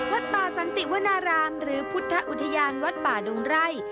วัดป่าสันติวนารามหรือพุทธอุทยานวัดป่าดงไร่